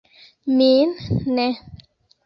Min ne.